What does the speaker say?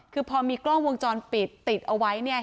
คือพอมีกล้องวงจรปิดติดเอาไว้เนี่ย